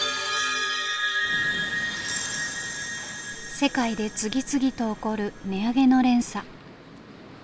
世界で次々と起こる値上げの連鎖。